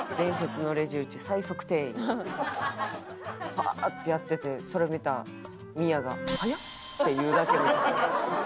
パーッてやっててそれを見た深愛が「速っ！」って言うだけみたいな。